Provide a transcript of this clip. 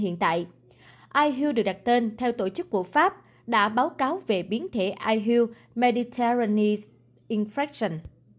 hiện tại ihu được đặt tên theo tổ chức của pháp đã báo cáo về biến thể ihu meditalys infracion